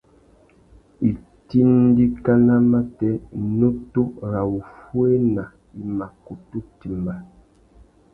Itindikana matê, nutu râ wuffuéna i mà kutu timba.